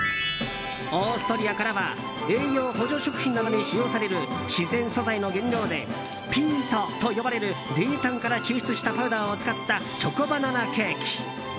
オーストリアからは栄養補助食品などに使用される自然素材の原料でピートと呼ばれる泥炭から抽出したパウダーを使ったチョコバナナケーキ。